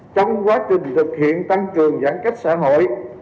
trong quá trình thực hiện tăng cường giãn cách xã hội